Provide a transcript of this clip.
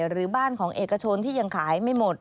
หรือบ้านของเอกชนที่ยังขายไม่หมด